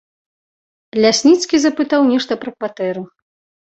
Лясніцкі запытаў нешта пра кватэру.